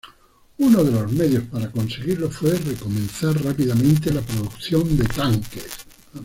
Uno de los medios para conseguirlo fue recomenzar rápidamente la producción de tanques.